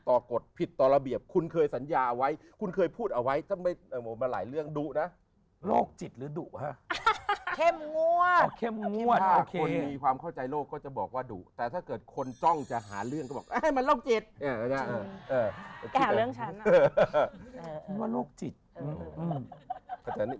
กฎผิดต่อระเบียบคุณเคยสัญญาเอาไว้คุณเคยพูดเอาไว้ถ้าไม่มาหลายเรื่องดุนะโรคจิตหรือดุฮะเข้มงวดพอเข้มงวดคนมีความเข้าใจโลกก็จะบอกว่าดุแต่ถ้าเกิดคนจ้องจะหาเรื่องก็บอกให้มันโรคจิต